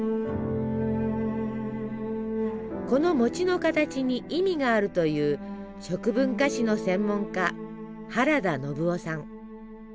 この餅の形に意味があると言う食文化史の専門家原田信男さん。